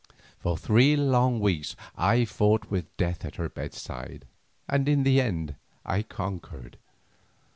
For three long weeks I fought with death at her bedside, and in the end I conquered.